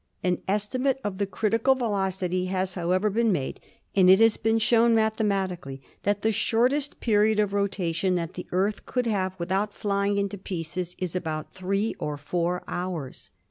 An estimate of the critical velocity has, however, been made, and it has been shown mathematically that the shortest period of rotation that the Earth could have, without flying into pieces, is about three or four hours.